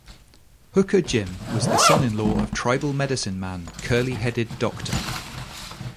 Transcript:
Hooker Jim was the son-in-law of tribal medicine man Curley Headed Doctor.